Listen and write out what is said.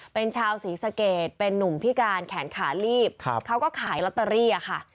เป็นชาวศรีสะเกดเป็นนุ่มพิการแขนขาลีบเขาก็ขายลอตเตอรี่ค่ะ